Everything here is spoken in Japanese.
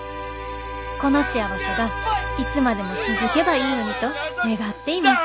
この幸せがいつまでも続けばいいのにと願っています」。